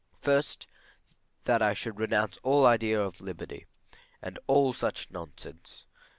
First, that I should renounce all idea of liberty, and all such nonsense.